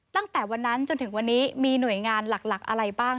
ตั้งแต่วันนั้นจนถึงวันนี้มีหน่วยงานหลักอะไรบ้าง